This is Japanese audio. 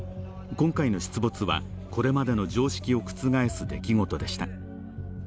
今回の出没はこれまでの常識を覆す出来事でした